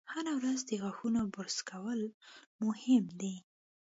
هره ورځ د غاښونو برش کول مهم دي.